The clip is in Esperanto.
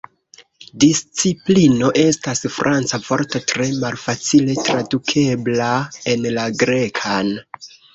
Disciplino estas Franca vorto tre malfacile tradukebla en la Grekan.